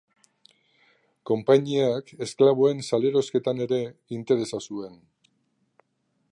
Konpainiak esklaboen salerosketan ere interesa zuen.